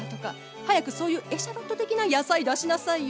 早くそういうエシャロット的な野菜出しなさいよ。